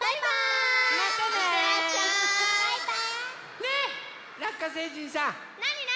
ねえラッカ星人さん。